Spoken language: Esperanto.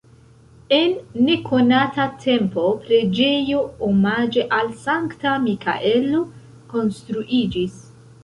En nekonata tempo preĝejo omaĝe al Sankta Mikaelo konstruiĝis.